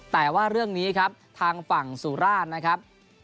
แต่ว่าเรื่องนี้ครับทางฝั่งสุราชนะครับ